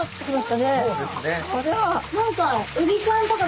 そうですね。